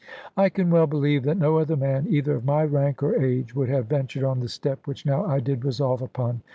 I can well believe that no other man, either of my rank or age, would have ventured on the step which now I did resolve upon.